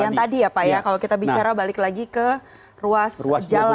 yang tadi ya pak ya kalau kita bicara balik lagi ke ruas jalan